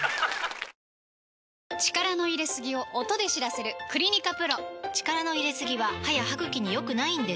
力の入れすぎを音で知らせる「クリニカＰＲＯ」力の入れすぎは歯や歯ぐきに良くないんです